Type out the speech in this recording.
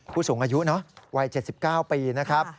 ผู้สูงอายุเนอะวัย๗๙ปีนะครับ